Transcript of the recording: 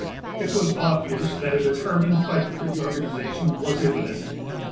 It was obvious that a determined fight for the organization was imminent.